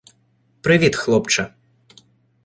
Привіт, хлопче